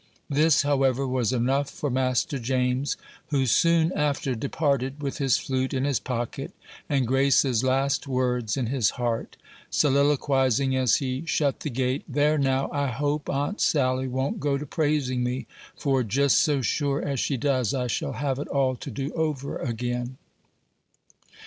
This, however, was enough for Master James, who soon after departed, with his flute in his pocket, and Grace's last words in his heart; soliloquizing as he shut the gate, "There, now, I hope Aunt Sally won't go to praising me; for, just so sure as she does, I shall have it all to do over again."